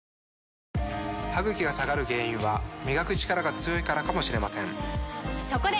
歯ぐきが下がる原因は磨くチカラが強いからかもしれませんそこで！